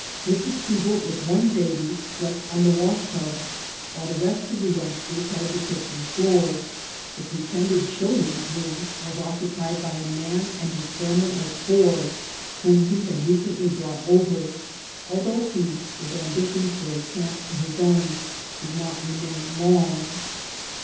Mrs. Segal with one baby slept on the wash tubs, while the rest of the youngsters held the kitchen floor. The pretended children's room was occupied by a man and his family of four, whom he had recently brought over, although he, with ambitions for a camp of his own, did not remain long.